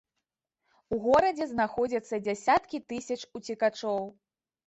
У горадзе знаходзяцца дзесяткі тысяч уцекачоў.